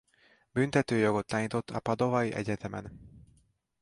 Büntetőjogot tanított a padovai egyetemen.